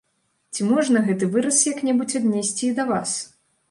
Ці можна гэты выраз як-небудзь аднесці і да вас?